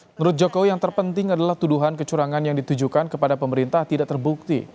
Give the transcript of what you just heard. menurut jokowi yang terpenting adalah tuduhan kecurangan yang ditujukan kepada pemerintah tidak terbukti